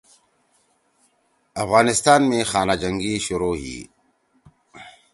افغانستان می خانہ جنگی شروع ہی